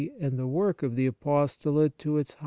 and the work of the apostolate to its